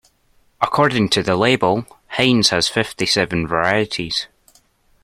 According to the label, Heinz has fifty-seven varieties